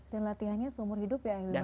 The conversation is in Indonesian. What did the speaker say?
dan latihannya seumur hidup ya ahilman